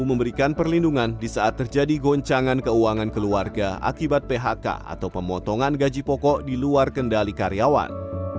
dan memberikan perlindungan disaat terjadi goncangan keuangan keluarga akibat phk atau pemotongan gaji pokok di luar kendali karyawan